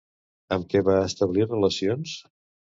Amb què va establir relacions?